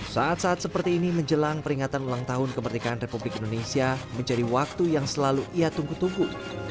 saat saat seperti ini menjelang peringatan ulang tahun kemerdekaan republik indonesia menjadi waktu yang selalu ia tunggu tunggu